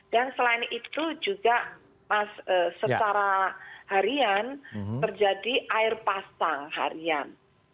dan selain itu juga secara harian terjadi air pasang harian